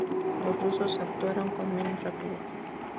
Los rusos actuaron con menos rapidez.